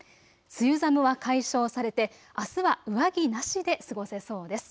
梅雨寒は解消されて、あすは上着なしで過ごせそうです。